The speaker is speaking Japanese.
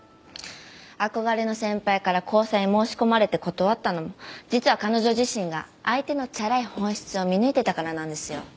憧れの先輩から交際申し込まれて断ったのも実は彼女自身が相手のチャラい本質を見抜いてたからなんですよ。